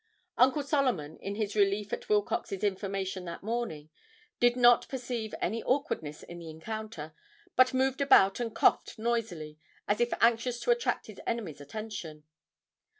Uncle Solomon, in his relief at Wilcox's information that morning, did not perceive any awkwardness in the encounter, but moved about and coughed noisily, as if anxious to attract his enemy's attention.